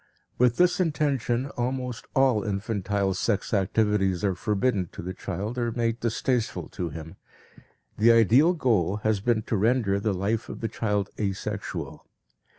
With this intention almost all infantile sex activities are forbidden to the child or made distasteful to him; the ideal goal has been to render the life of the child asexual.